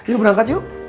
yuk berangkat yuk